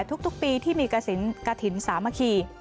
ทุกปีที่มีกระถิ่นสามัคคี